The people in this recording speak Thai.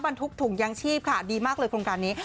บรรทุกถุงยางชีพค่ะดีมากเลยโครงการนี้